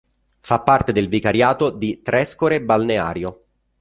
Fa parte del vicariato di Trescore Balneario.